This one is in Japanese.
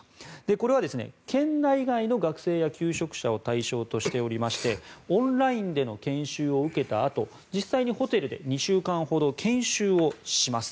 これは県内外の学生や求職者を対象としていましてオンラインでの研修を受けたあと実際にホテルで２週間ほど研修をします。